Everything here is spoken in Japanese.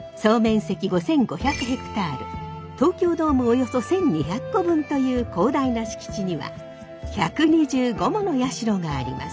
東京ドームおよそ１，２００個分という広大な敷地には１２５もの社があります。